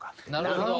なるほど。